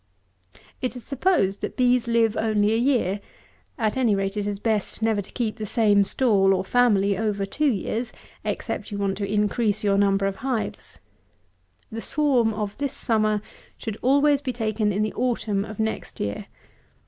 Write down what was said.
163. It is supposed that bees live only a year; at any rate it is best never to keep the same stall, or family, over two years, except you want to increase your number of hives. The swarm of this summer should always be taken in the autumn of next year.